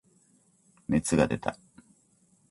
熱が出た。